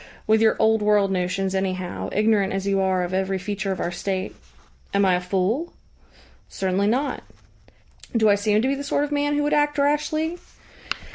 "With your old world notions, anyhow, ignorant as you are of every feature of our State." "Am I a fool?" "Certainly not." "Do I seem to be the sort of man who would act rashly?"